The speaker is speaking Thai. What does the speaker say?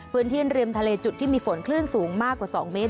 พื้นที่ริมทะเลจุดที่มีฝนคลื่นสูงมากกว่า๒เมตร